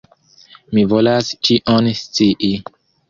Mi volas ĉion scii!